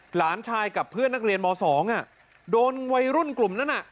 หลานชายกับเพื่อนนักเรียนม๒โดนวัยรุ่นกลุ่มนั้น